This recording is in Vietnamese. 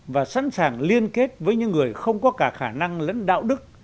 và sẵn sàng liên kết với những người không có cả khả năng lẫn đạo đức